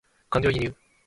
感情移入